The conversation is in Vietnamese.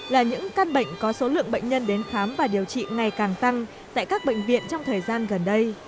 là những căn bệnh có số lượng bệnh nhân đến khám và điều trị ngày càng tăng tại các bệnh viện trong thời gian gần đây